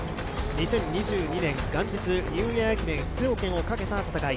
２０２２年元日、ニューイヤー駅伝の出場権をかけた戦い。